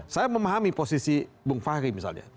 saya memahami posisi bung fahri misalnya